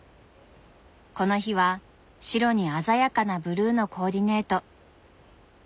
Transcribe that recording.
この日は白に鮮やかなブルーのコーディネート。